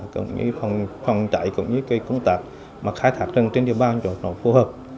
cũng như phòng cháy cũng như cái công tác mà khai thác rừng trên địa bàn chỗ nó phù hợp